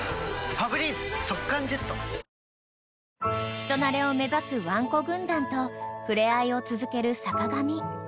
［人なれを目指すワンコ軍団と触れ合いを続ける坂上］